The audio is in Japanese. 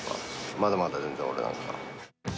まだまだ、全然、俺なんか。